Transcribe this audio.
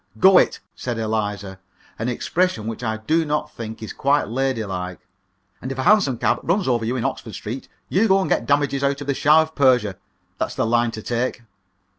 "Go it!" said Eliza, an expression which I do not think to be quite ladylike. "And if a hansom cab runs over you in Oxford Street, you go and get the damages out of the Shah of Persia. That's the line to take."